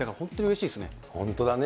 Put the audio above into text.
本当だね。